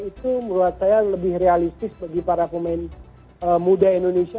itu menurut saya lebih realistis bagi para pemain muda indonesia